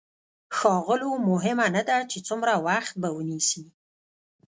ښاغلو مهمه نه ده چې څومره وخت به ونيسي.